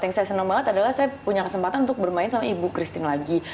yang saya senang banget adalah saya punya kesempatan untuk bermain sama ibu christine lagi